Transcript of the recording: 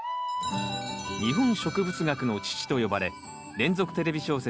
日本植物学の父と呼ばれ連続テレビ小説